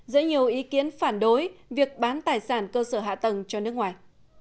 giữa nhiều ý kiến phản đối việc bán tài sản cơ sở hạ tầng cho nước ngoài